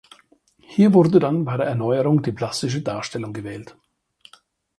Hier wurde dann bei der Erneuerung die plastische Darstellung gewählt.